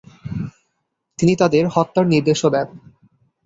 তিনি তাদের হত্যার নির্দেশও দেন।